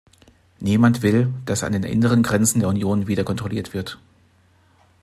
Niemand will, dass an den inneren Grenzen der Union wieder kontrolliert wird.